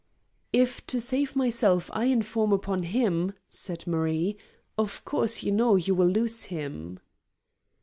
"If to save myself I inform upon him," said Marie, "of course you know you will lose him."